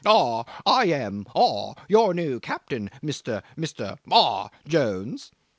'Aw I am aw your new captain, Mister Mister aw Jones.